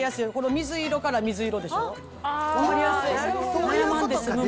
水色から水色でしょ。